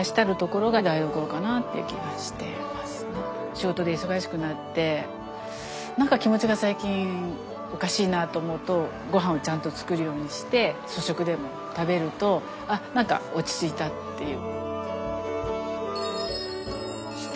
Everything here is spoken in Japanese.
仕事で忙しくなって何か気持ちが最近おかしいなと思うとごはんをちゃんと作るようにして粗食でも食べると何か落ち着いたっていう。